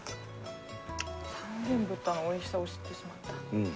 三元豚の美味しさを知ってしまった。